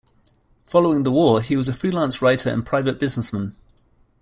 Following the war, he was a freelance writer and private businessman.